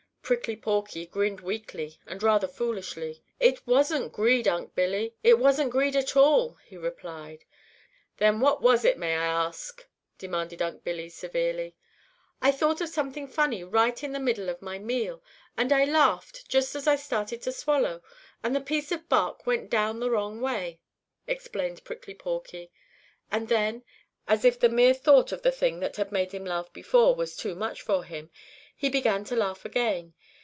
Prickly Porky grinned weakly and rather foolishly. "It wasn't greed, Unc' Billy. It wasn't greed at all," he replied. "Then what was it, may Ah ask?" demanded Unc' Billy severely. "I thought of something funny right in the middle of my meal, and I laughed just as I started to swallow, and the piece of bark went down the wrong way," explained Prickly Porky. And then, as if the mere thought of the thing that had made him laugh before was too much for him, he began to laugh again.